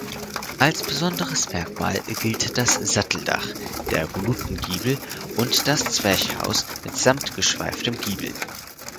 Als besonderes Merkmal gilt das Satteldach, der Volutengiebel und das Zwerchhaus mitsamt geschweiftem Giebel.